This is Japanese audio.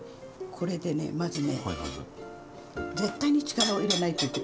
これでねまずね絶対に力を入れないということね。